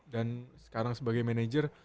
dan sekarang sebagai manager